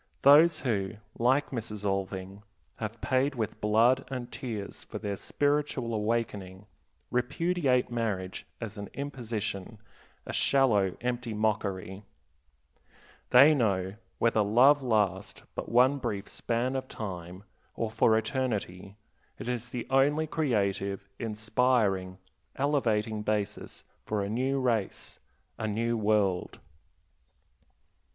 Those who, like Mrs. Alving, have paid with blood and tears for their spiritual awakening, repudiate marriage as an imposition, a shallow, empty mockery. They know, whether love last but one brief span of time or for eternity, it is the only creative, inspiring, elevating basis for a new race, a new world.